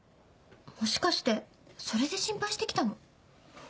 もしかしてそれで心配して来たの？